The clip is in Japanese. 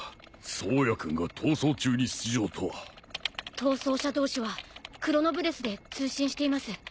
逃走者同士はクロノブレスで通信しています。